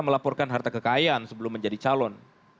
melaporkan harta kekayaan sebelum menjadi calon